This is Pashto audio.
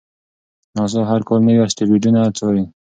ناسا هر کال نوي اسټروېډونه څاري.